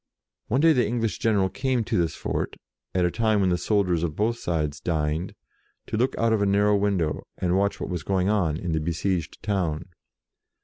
One day the English general came to this fort, at the time when the soldiers of both sides dined, to look out of a narrow window, and watch what was going on in the be sieged town.